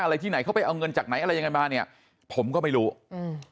ที่ไหนเขาไปเอาเงินจากไหนอะไรยังไงมาเนี้ยผมก็ไม่รู้อืม